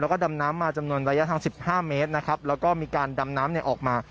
แล้วก็ดำน้ำมาจำนวนระยะทางสิบห้าเมตรนะครับแล้วก็มีการดำน้ำเนี่ยออกมา